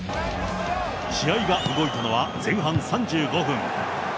試合が動いたのは前半３５分。